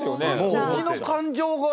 こっちの感情がね。